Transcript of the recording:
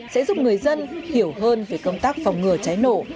sẽ giúp người dân hiểu hơn về công tác phòng ngừa cháy nổ